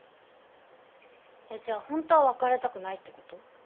えっじゃあ本当は別れたくないってこと？